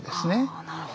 あなるほど。